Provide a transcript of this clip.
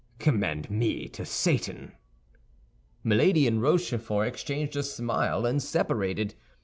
"Commend me to Satan." Milady and Rochefort exchanged a smile and separated.